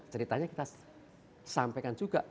ceritanya kita sampaikan juga